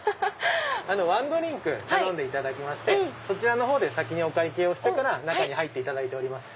ワンドリンク頼んでいただいてそちらで先にお会計をしてから中に入っていただいております。